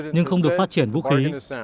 nhưng không được phát triển vũ khí